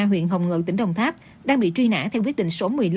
huyện hồng ngự tỉnh đồng tháp đang bị truy nã theo quyết định số một mươi năm